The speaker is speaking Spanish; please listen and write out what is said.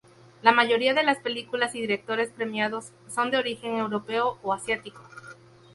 La mayoría de las películas y directores premiados son de origen europeo o asiático.